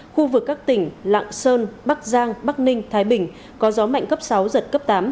khu vực các tỉnh lạng sơn bắc giang bắc ninh thái bình có gió mạnh cấp sáu giật cấp tám